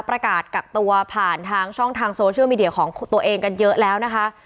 ประกาศกักตัวผ่านทางช่องทางโซเชียลมีเดียของตัวเองกันเยอะแล้วนะคะ